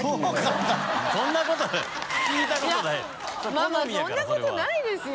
ママそんなことないですよ